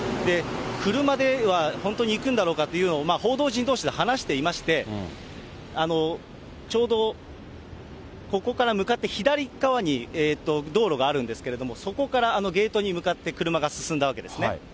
車では本当に行くんだろうかというのを、報道陣どうしで話していまして、ちょうどここから向かって左っ側に道路があるんですけれども、そこからゲートに向かって車が進んだわけですね。